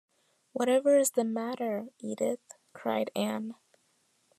“Whatever is the matter, Edith?” cried Anne.